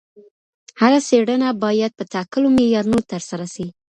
هره څېړنه باید په ټاکلو معیارونو ترسره سي.